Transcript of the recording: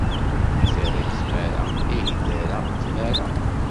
Ma terra-k tmara, ihi terra tmara.